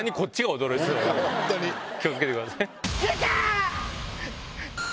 気を付けてください。出た！